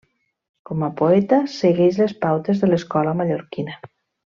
Com a poeta segueix les pautes de l'Escola Mallorquina.